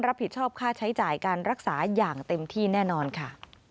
รับผิดชอบค่าใช้จ่ายการรักษาอย่างเต็มที่แน่นอนค่ะ